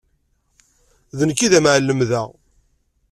D nekk i d amɛellem da.